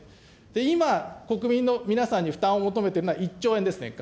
今、国民の皆さんに負担を求めているのは１兆円です、年間。